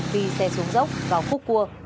tuy xe xuống dốc vào khúc cua